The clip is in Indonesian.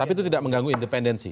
tapi itu tidak mengganggu independensi